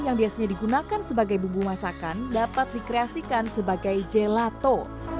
yang biasanya digunakan sebagai bumbu masakan dapat dikreasikan sebagai gelato